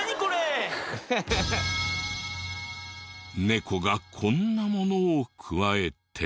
ネコがこんなものをくわえて。